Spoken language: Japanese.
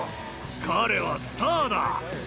彼はスターだ。